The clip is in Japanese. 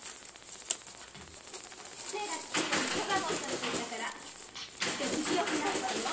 精がつくように卵を落としといたからきっとよくなるわよ。